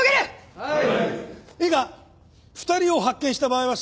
はい。